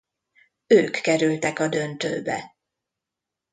Ők kerültek a döntőbe.